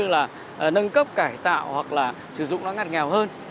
và nâng cấp cải tạo hoặc là sử dụng nó ngặt ngào hơn